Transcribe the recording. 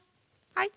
はい。